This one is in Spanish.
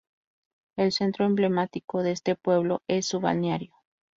El centro emblemático de este pueblo es su balneario.